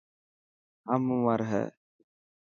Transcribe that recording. هم عمر هي.